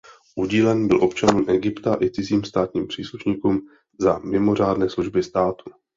Udílen byl občanům Egypta i cizím státním příslušníkům za mimořádné služby státu.